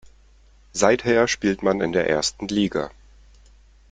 Seither spielt man in der ersten Liga.